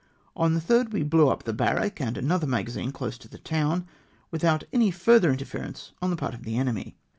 On the 3rd we blew up the barrack and another ma gazine close to the town, without any further inter ference on the part of the enemy.